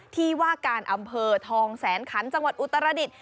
ที่ว่าการอำเภอทองแสนขันจังหวัดอุตรดิษฐ